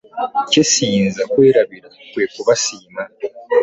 Kye ssiyinza kwerabira kwe kubasiima.